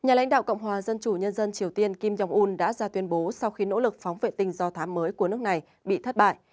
nhà lãnh đạo cộng hòa dân chủ nhân dân triều tiên kim jong un đã ra tuyên bố sau khi nỗ lực phóng vệ tinh do thám mới của nước này bị thất bại